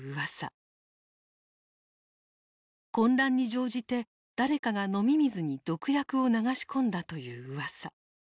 混乱に乗じて誰かが飲み水に毒薬を流し込んだといううわさ。